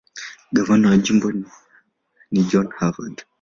Gavana wa jimbo ni John Harvard.